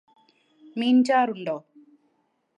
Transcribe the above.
മീൻ ചാറുണ്ടോ?